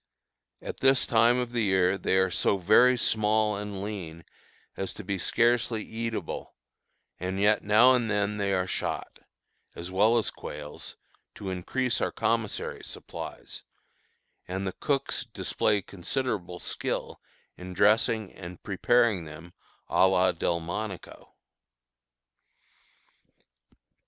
At this time of the year they are so very small and lean as to be scarcely eatable, and yet now and then they are shot, as well as quails, to increase our commissary supplies, and the cooks display considerable skill in dressing and preparing them à la Delmonico.